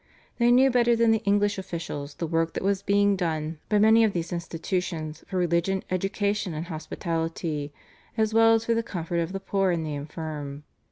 They knew better than the English officials the work that was being done by many of these institutions for religion, education, and hospitality, as well as for the comfort of the poor and the infirm.